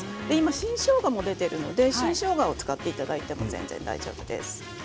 新しょうがも出ているので新しょうがを使っていただいて大丈夫です。